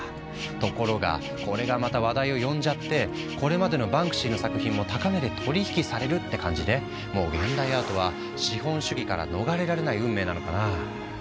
ところがこれがまた話題を呼んじゃってこれまでのバンクシーの作品も高値で取り引きされるって感じでもう現代アートは資本主義から逃れられない運命なのかな。